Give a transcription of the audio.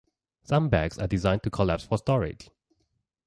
Some bags are designed to collapse for storage.